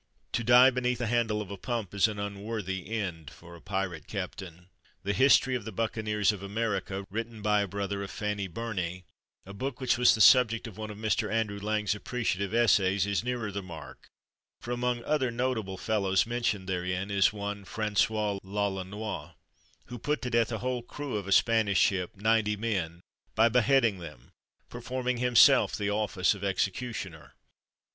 To die beneath the handle of a pump is an unworthy end for a pirate captain. The " History of the Buccaneers of America," written by a brother of Fanny Burney, a book which was the subject of one of Mr. Andrew Lang's 186 THE DAY BEFORE YESTERDAY appreciative essays, is nearer the mark, for among other notable fellows mentioned therein is one Francois L'Olonnois, who put to death the whole crew of a Spanish ship, ninety men, by beheading them, perform ing himself the office of executioner.